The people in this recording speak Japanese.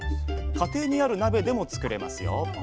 家庭にある鍋でも作れますよ。